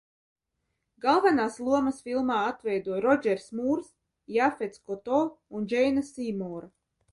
Galvenās lomas filmā atveido Rodžers Mūrs, Jafets Koto un Džeina Sīmora.